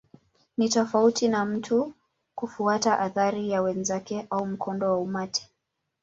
Ni tofauti na mtu kufuata athari ya wenzake au mkondo wa umati.